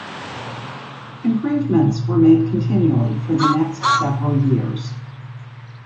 Improvements were made continually for the next several years.